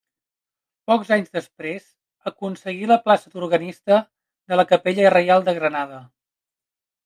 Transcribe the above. Pocs anys després aconseguí la plaça d'organista de la Capella Reial de Granada.